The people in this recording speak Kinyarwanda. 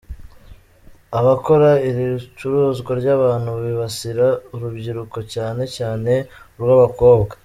Abakora iri curuzwa ry’abantu bibasira urubyiruko, cyane cyane urw’abakobwa.